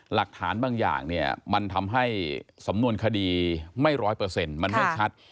หลักฐานบางอย่างเนี่ยมันทำให้สำนวนคดีไม่ร้อยเปอร์เซ็นต์มันไม่ชัด